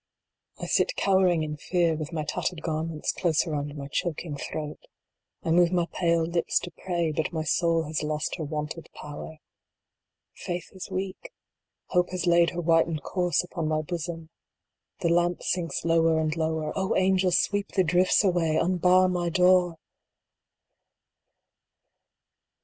I sit cowering in fear, with my tattered garments close around my choking throat I move my pale lips to pray ; but my soul has lost her wonted power. Faith is weak. Hope has laid her whitened corse upon my bosom. The lamp sinks lower and lower. O angels ! sweep the drifts away unbar my door